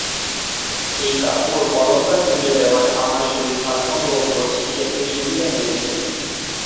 এই কাপোড়-অলংকার খুলে দেওয়ায় আমার শরীর হাল্কা অনুভব করছি, খেলতে সুবিধা হয়েছে।